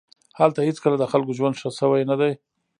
هلته هېڅکله د خلکو ژوند ښه شوی نه دی